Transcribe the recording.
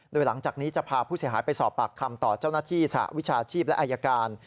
โดยหลังจากนี้จะพาผู้เสียหายไปสอบปากคำต่อเจ้าหน้าที่สหวิชาชีพและอายการ